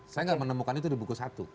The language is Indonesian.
saya nggak menemukan itu di buku satu